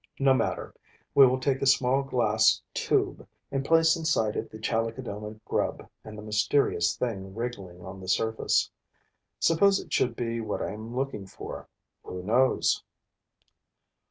No matter: we will take a small glass tube and place inside it the Chalicodoma grub and the mysterious thing wriggling on the surface. Suppose it should be what I am looking for? Who knows?